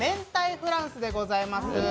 フランスでございます。